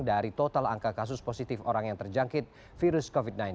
dari total angka kasus positif orang yang terjangkit virus covid sembilan belas